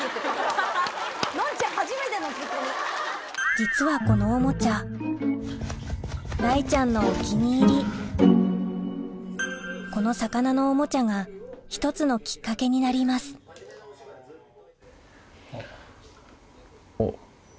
実はこのおもちゃ雷ちゃんのお気に入りこの魚のおもちゃが１つのきっかけになりますおっ。